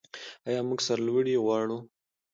آیا موږ سرلوړي غواړو؟